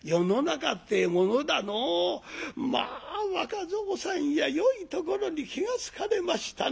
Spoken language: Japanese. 「まあ若蔵さんやよいところに気が付かれましたな。